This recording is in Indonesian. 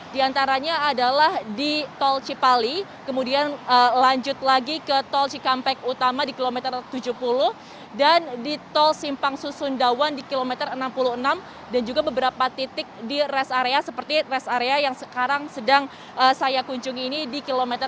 di antaranya adalah di tol cipali kemudian lanjut lagi ke tol cikampek utama di kilometer tujuh puluh dan di tol simpang susundawan di kilometer enam puluh enam dan juga beberapa titik di rest area seperti rest area yang sekarang sedang saya kunjungi ini di kilometer tiga puluh